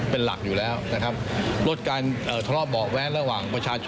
เพราะว่า